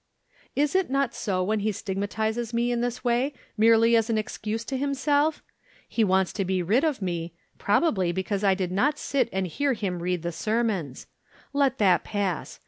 "Is it not so when he stigmatizes me in this way merely as an excuse to himself? He wants to be rid of me, probably because I did not sit and hear him read the sermons. Let that pass.